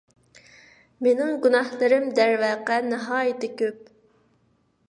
مېنىڭ گۇناھلىرىم، دەرۋەقە، ناھايىتى كۆپ.